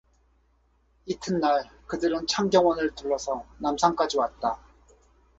이튿날 그들은 창경원을 둘러서 남산까지 왔다.